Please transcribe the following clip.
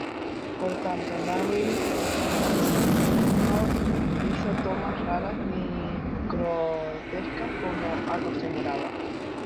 Por lo tanto, Marilyn Manson no hizo tomas raras ni grotescas, como acostumbraba.